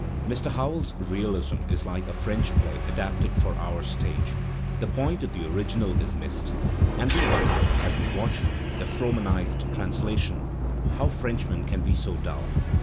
Mr. Howells's realism is like a French play adapted for our stage; the point of the original is missed, and we wonder, as we watch the Frohmanized translation, how Frenchmen can be so dull.